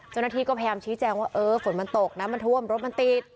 เจ้าหน้าที่ก็พยายามชี้แจงว่าเออฝนมันตกน้ำมันท่วมรถมันติด